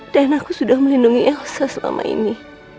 dan aku sudah melindungi elsa selama ini